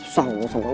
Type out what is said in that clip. susah lu sama lu